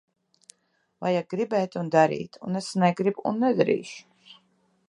Vajag gribēt un darīt. Un es negribu un nedarīšu.